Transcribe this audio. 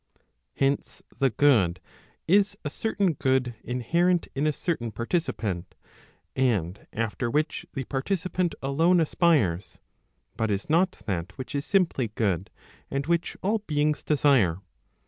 Hence, the good is a certain good inherent in a certain participant, and after which the participant alone aspires, but is not that which is simply good, and which all beings desire.